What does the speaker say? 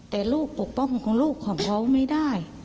แต่ลูกปกป้องของลูกของเขาไม่ได้